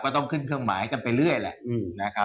ก็ต้องขึ้นเครื่องหมายกันไปเรื่อยแหละนะครับ